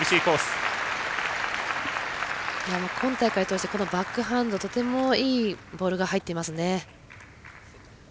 今大会を通してこのバックハンドとてもいいボールが入っています。